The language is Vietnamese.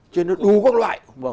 trên nó đu các loại